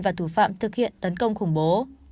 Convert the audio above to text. và thủ phạm thực hiện tấn công khủng bố